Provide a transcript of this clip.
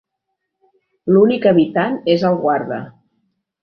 L'únic habitant és el guarda.